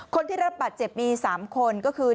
คนที่รับบัตรเจ็บมี๓คนก็คือ